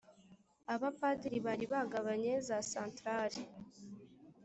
abapadiri bari bagabanye za santrali,